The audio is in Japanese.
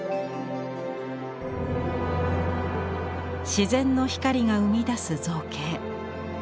自然の光が生み出す造形。